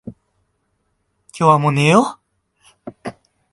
今日はもう寝よう。